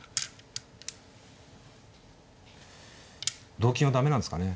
同金は駄目なんですかね。